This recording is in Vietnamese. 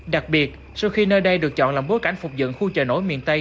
đặc biệt sau khi nơi đây được chọn làm bối cảnh phục dựng khu trời nổi miền tây